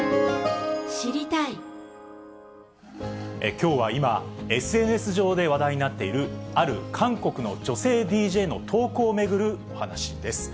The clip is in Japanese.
きょうは、今ＳＮＳ上で話題になっている、ある韓国の女性ＤＪの投稿を巡るお話です。